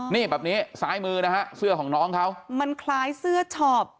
นี่แบบนี้ซ้ายมือนะฮะเสื้อของน้องเขามันคล้ายเสื้อช็อป